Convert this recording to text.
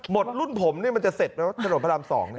หมดรุ่นผมนี่มันจะเสร็จไหมว่าถนนพระราม๒